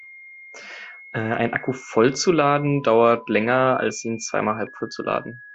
Einen Akku voll zu laden dauert länger als ihn zweimal halbvoll zu laden.